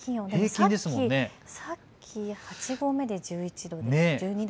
さっき８合目で１２度。